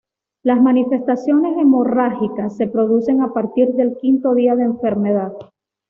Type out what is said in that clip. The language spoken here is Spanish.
Las manifestaciones hemorrágicas se producen a partir del quinto día de enfermedad.